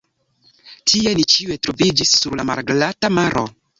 Tie ni ĉiuj troviĝis, sur la malglata maro!